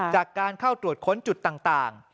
จากการเข้าตรวจค้นจุดต่าง